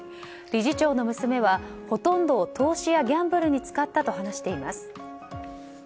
理事長の娘は、ほとんど投資やギャンブルに使ったと話しています。